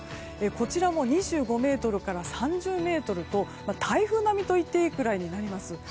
こちらも２５メートルから３０メートルと台風並みと言っていいくらいになります。